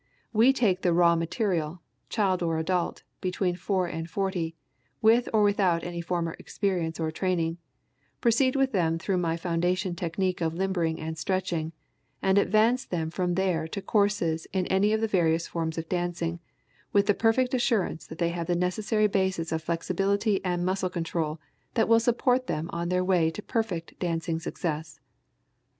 We take the "raw material," child or adult, between four and forty, with or without any former experience or training, proceed with them through my foundation technique of limbering and stretching, and advance them from there to courses in any of the various forms of dancing, with the perfect assurance that they have the necessary basis of flexibility and muscle control that will support them on their way to perfect dancing success.